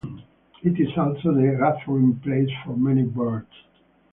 It is also the gathering place for many birds.